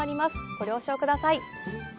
ご了承ください。